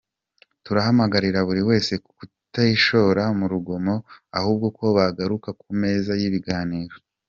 Turahamagarira buri wese kutishora mu rugomo ahubwo ko bagaruka ku meza y’ibiganiro.